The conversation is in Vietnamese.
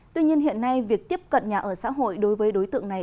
tuy nhiên hiện nay việc tiếp cận nhà ở xã hội đối với đối tượng này